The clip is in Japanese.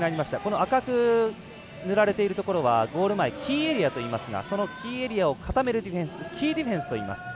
赤く塗られているところはゴール前キーエリアといいますがそのキーエリアを固めるディフェンスキーディフェンスといいます。